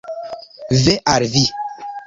Ve al vi!